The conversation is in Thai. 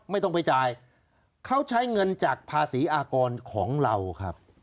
ไม่ต้องไปจ่ายเขาใช้เงินจากภาษีอากรของเราครับ